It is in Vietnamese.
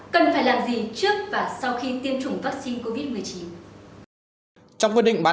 cần phải làm gì trước và sau khi tiêm chủng vaccine covid một mươi chín